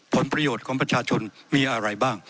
ผลประโยชน์ของประชาชนมีอะไรบ้าง